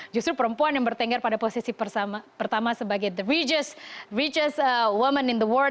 justru perempuan yang bertengger pada posisi pertama sebagai the regest women in the world